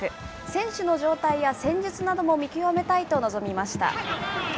選手の状態や戦術なども見極めたいと臨みました。